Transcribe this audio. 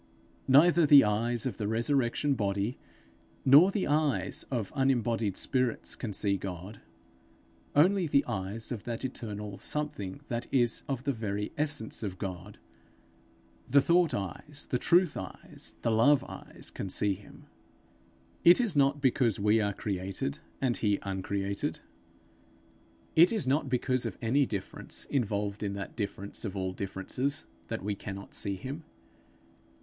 Neither the eyes of the resurrection body, nor the eyes of unembodied spirits can see God; only the eyes of that eternal something that is of the very essence of God, the thought eyes, the truth eyes, the love eyes, can see him. It is not because we are created and he uncreated, it is not because of any difference involved in that difference of all differences, that we cannot see him.